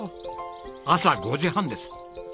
朝５時半です。